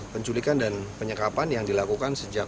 penculikan dan penyekapan yang dilakukan sejak